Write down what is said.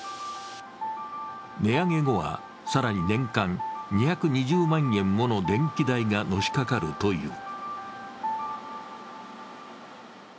値上げ後は、更に年間２２０万円もの電気代がのしかかるという。